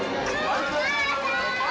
お母さーん！